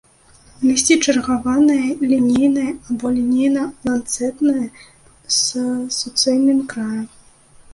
Лісце чаргаванае, лінейнае або лінейна-ланцэтнае, з суцэльным краем.